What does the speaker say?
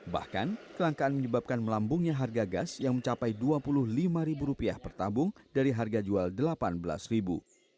bahkan kelangkaan menyebabkan melambungnya harga gas yang mencapai dua puluh lima ribu rupiah per tabung dari harga jual delapan belas ribu